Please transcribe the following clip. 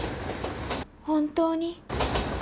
「本当に」。